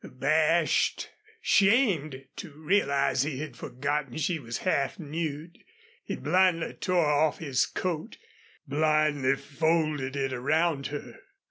Abashed, shamed to realize he had forgotten she was half nude, he blindly tore off his coat, blindly folded it around her.